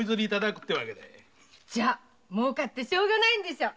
じゃあ儲かってしょうがないんでしょ。